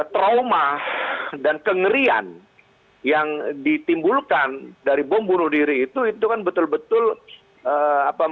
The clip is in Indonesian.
trauma dan kengerian yang ditimbulkan dari bom bunuh diri itu itu kan betul betul apa